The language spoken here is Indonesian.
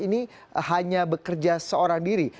ini hanya bekerja seorang diri